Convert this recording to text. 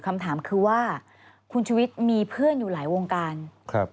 คำถามคือว่าคุณชุวิตมีเพื่อนอยู่หลายวงการครับ